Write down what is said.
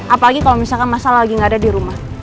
apalagi kalau misalkan masa lagi nggak ada di rumah